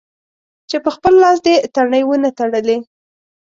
چې په خپل لاس دې تڼۍ و نه تړلې.